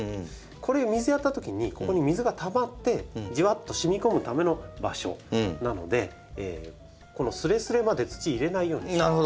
これ水やったときにここに水がたまってじわっとしみ込むための場所なのでこのすれすれまで土入れないようにしてください。